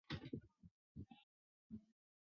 乞伏干归便把乞伏炽磐等人送到西平。